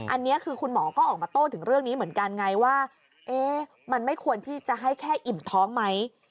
อันนี้คือคุณหมอก็ออกมาโต้ถึงเรื่องนี้เหมือนกันไงว่ามันไม่ควรที่จะให้แค่อิ่มท้องไหม